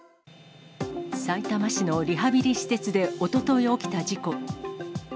さいたま市のリハビリ施設でおととい起きた事故。